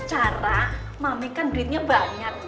cara mami kan duitnya banyak